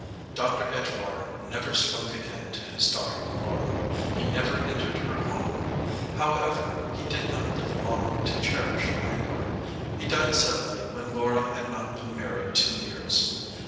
Doctor Edgewater never spoke again to his daughter Laura. He never entered her home. However, he did not live long to cherish rancor. He died suddenly when Laura had not been mar ried two years.